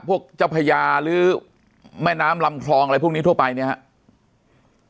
พวกเจ้าพญาหรือแม่น้ำลำคลองอะไรพวกนี้ทั่วไปเนี่ยครับ